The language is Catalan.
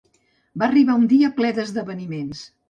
Va arribar un dia ple d'esdeveniments.